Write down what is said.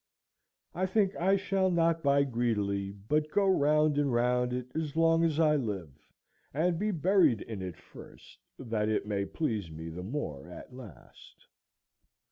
I think I shall not buy greedily, but go round and round it as long as I live, and be buried in it first, that it may please me the more at last.